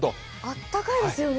あったかいですよね。